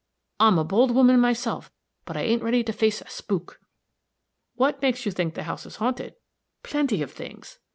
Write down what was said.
I'm a bold woman myself, but I ain't ready to face a spook." "What makes you think the house is haunted?" "Plenty of things."